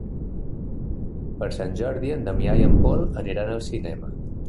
Per Sant Jordi en Damià i en Pol aniran al cinema.